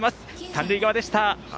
三塁側でした。